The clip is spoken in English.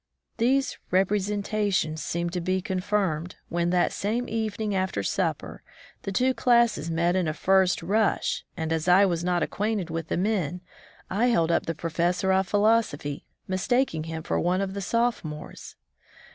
These representations seemed to be confirmed when, that same evening after supper, the two classes met in 67 From the Deep Woods to Civilization a first ''rush/' and as I was not acquainted with the men, I held up the professor of philosophy, mistaking him for one of the sophomores.